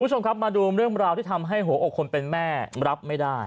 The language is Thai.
คุณผู้ชมครับมาดูเรื่องราวที่ทำให้หัวอกคนเป็นแม่รับไม่ได้